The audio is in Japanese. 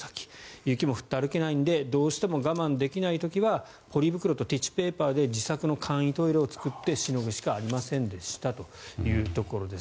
雪も降って歩けないのでどうしても我慢できない時はポリ袋とティッシュペーパーで自作の簡易トイレを作ってしのぐしかありませんでしたというところです。